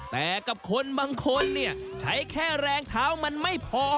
แต่กับคนบางคนเนี่ยใช้แค่แรงเท้ามันไม่พอ